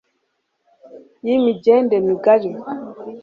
y h imigende migari